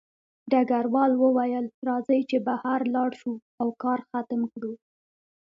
ډګروال وویل راځئ چې بهر لاړ شو او کار ختم کړو